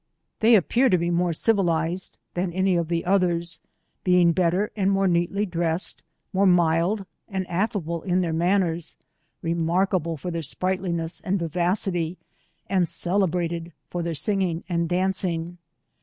They appear to be more civilized th^a any of 91 the others, being better and more neatly dresseJ, more mild and affable in their manners, remarkable for their sprightliness and vivacity, and celebrated for their singing and dancing.